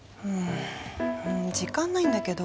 うん時間ないんだけど。